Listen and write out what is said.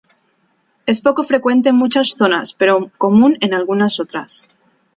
Es poco frecuente en muchas zonas, pero común en algunas otras.